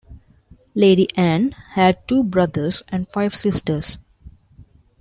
Lady Anne had two brothers and five sisters.